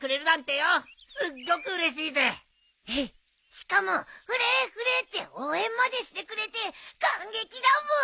しかも「フレーフレー」って応援までしてくれて感激だブー。